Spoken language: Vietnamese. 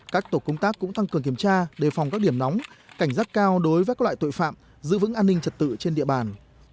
các tổ công tác cũng tăng cường kiểm tra đề phòng các điểm nóng cảnh giác cao đối với các loại tội phạm giữ vững an ninh trật tự trên địa bàn